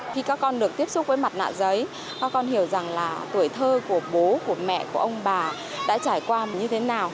khi các con được tiếp xúc với mặt nạ giấy các con hiểu rằng là tuổi thơ của bố của mẹ của ông bà đã trải qua như thế nào